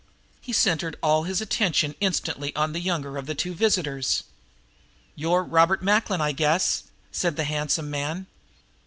He centered all of his attention instantly on the younger of his two visitors. "You're Mr. Macklin, I guess," said the handsome man.